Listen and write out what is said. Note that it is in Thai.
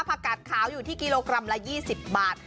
ผักกาดขาวอยู่ที่กิโลกรัมละ๒๐บาท